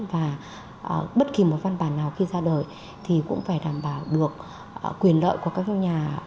và bất kỳ một văn bản nào khi ra đời thì cũng phải đảm bảo được quyền lợi của các nhà